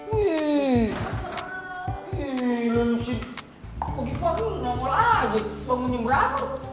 wih si pagi pagi udah ngomong aja bangun jam berapa